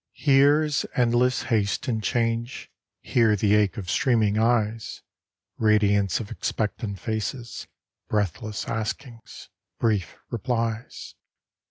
Here is endless haste and change, Here the ache of streaming eyes, Radiance of expectant faces, Breathless askings, brief replies.